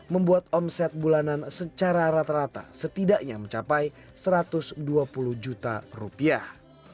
membuat omset bulanan secara rata rata setidaknya mencapai satu ratus dua puluh juta rupiah